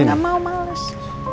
nggak mau malas